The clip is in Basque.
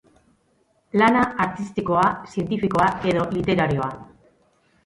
Lana artistikoa, zientifikoa edo literarioa.